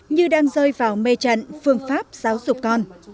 như đang rơi vào mê trận phương pháp giáo dục con